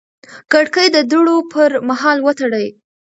کړکۍ د دوړو پر مهال وتړئ.